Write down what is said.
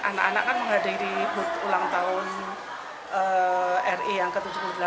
anak anak kan menghadiri ulang tahun ri yang ke tujuh puluh delapan